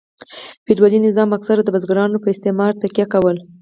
فیوډالي نظام اکثره د بزګرانو په استثمار تکیه کوله.